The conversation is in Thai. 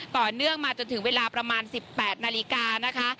ต่อเนื่องมาจนถึงเวลาประมาณ๑๘นาฬิกานะคะ